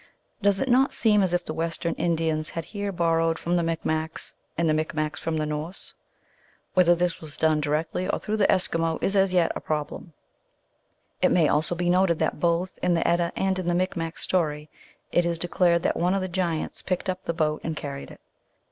Does it not seem as if the Western Indians had here borrowed from the Micmacs, and the Micmacs from the Norse ? Whether this was done directly or through the Eskimo is as yet a problem. It may also be noted that both in the Edda and in the Micmac story, it is declared that one of the giants picked up the boat and carried it.